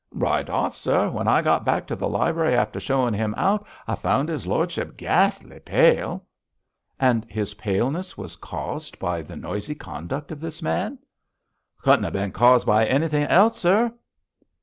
'Right off, sir. When I got back to the library after showing him out I found his lordship gas'ly pale.' 'And his paleness was caused by the noisy conduct of this man?' 'Couldn't have bin caused by anything else, sir.'